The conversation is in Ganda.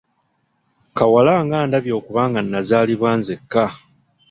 Kawala nga ndabye okuba nga nnazaalibwa nzekka!